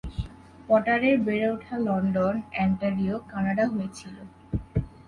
পটারের বেড়ে ওঠা London, Ontario Canada হয়েছিল।